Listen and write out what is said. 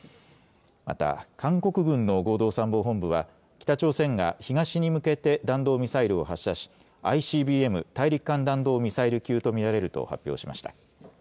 また韓国軍の合同参謀本部は北朝鮮が東に向けて弾道ミサイルを発射しＩＣＢＭ・大陸間弾道ミサイル級と見られると発表しました。